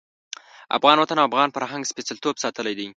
افغان وطن او افغان فرهنګ سپېڅلتوب ساتلی دی.